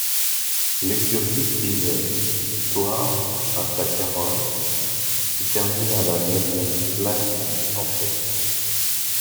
L'écurie signe victoires grâce à Carroll et termine à la neuvième place du championnat.